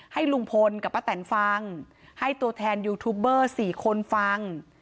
ให้ลุงพลกับป้าแตนฟังให้ตัวแทนยูทูบเบอร์๔คนฟัง